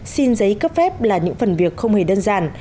xin giấy cấp phép là những phần việc không hề đơn giản